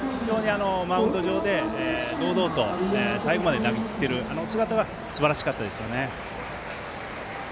マウンド上で堂々と最後まで投げ切っている姿がすばらしかったです。